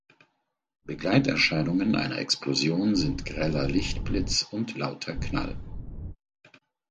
Begleiterscheinungen einer Explosion sind greller Lichtblitz und lauter Knall.